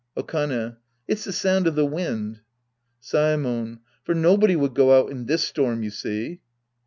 Okane. It's the sound of the wind. Saemon. For nobody would go out in this storm, you see.